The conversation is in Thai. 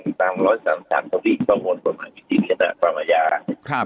เป็นตามร้อยก็ราชาเนี่ยบ้านแป่งจอหวนต่อมาอย่างมาก